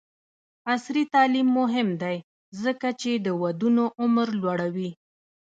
عصري تعلیم مهم دی ځکه چې د ودونو عمر لوړوي.